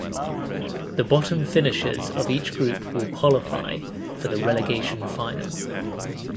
The bottom finishers of each group will qualify for the Relegation Final.